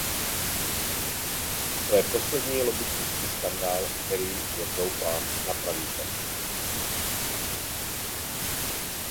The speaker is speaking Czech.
To je poslední lobbistický skandál, který, jak doufám, napravíte.